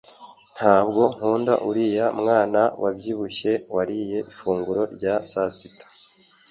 Ntabwo nkunda uriya mwana wabyibushye wariye ifunguro rya sasita